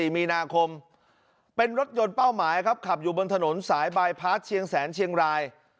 มีนาคมเป็นรถยนต์เป้าหมายครับขับอยู่บนถนนสายบายพาร์ทเชียงแสนเชียงราย